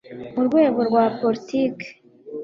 mu rwego rwa politiki